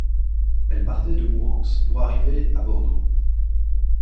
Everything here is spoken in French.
Elle partait de Mourenx pour arriver à Bordeaux.